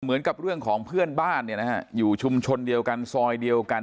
เหมือนกับเรื่องของเพื่อนบ้านเนี่ยนะฮะอยู่ชุมชนเดียวกันซอยเดียวกัน